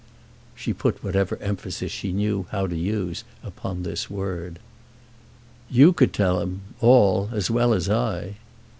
She put whatever emphasis she knew how to use upon this word. "You could tell him all, as well as I."